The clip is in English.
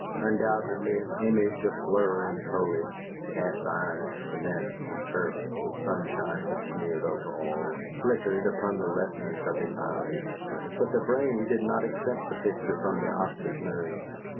Undoubtedly an image of blurring foliage, cast iron, cement, and turf, with sunshine smeared over all, flickered upon the retinas of his eyes; but the brain did not accept the picture from the optic nerve.